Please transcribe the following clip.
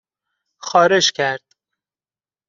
خارش کرد